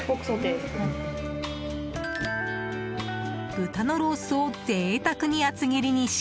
豚のロースを贅沢に厚切りにし。